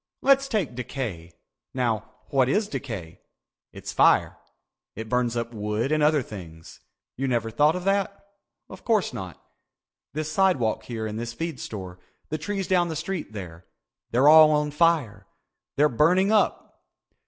Let's take decay. Now what is decay? It's fire. It burns up wood and other things. You never thought of that? Of course not. This sidewalk here and this feed store, the trees down the street there—they're all on fire. They're burning up.